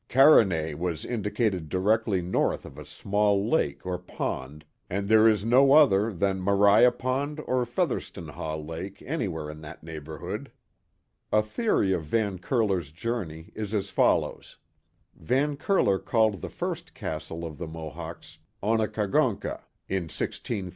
Carenay was indicated directly north of a small lake or pond, and there is no other than Maria Pond or Featherstonhaugh Lake anywhere in that neighborhood." Journal of Arent Van Curler 33 A theory of Van Curler's journey is as follows : Van Curler called the first castle of the Mohawks Onekagoncka, in 1634 35.